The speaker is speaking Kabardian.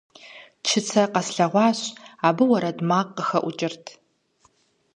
Чыцэ къэслъэгъуащ, абы уэрэд макъ къыхэӀукӀырт.